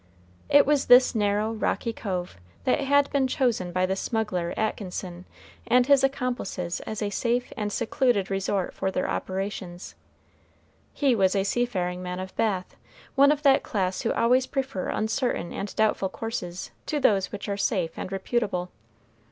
It was this narrow, rocky cove that had been chosen by the smuggler Atkinson and his accomplices as a safe and secluded resort for their operations. He was a seafaring man of Bath, one of that class who always prefer uncertain and doubtful courses to those which are safe and reputable.